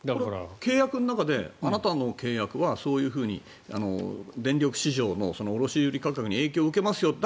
契約の中であなたの契約はそういうふうに電力市場の卸売価格に影響を受けますよと。